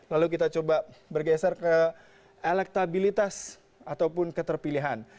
lalu kita coba bergeser ke elektabilitas ataupun keterpilihan